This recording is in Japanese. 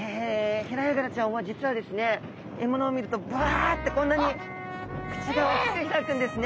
ヘラヤガラちゃんは実はですね獲物を見るとバッてこんなに口が大きく開くんですね。